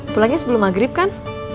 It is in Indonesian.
pulangnya sebelum maghrib kan